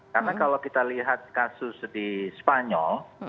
karena kalau kita lihat kasus di spanyol